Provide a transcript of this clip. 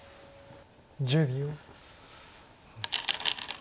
１０秒。